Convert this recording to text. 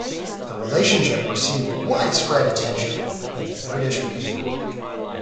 The relationship received widespread attention in the British media.